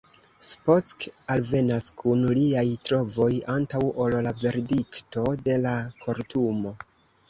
Spock alvenas kun liaj trovoj antaŭ ol la verdikto de la kortumo.